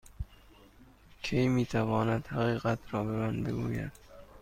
کی می تواند حقیقت را به من بگوید؟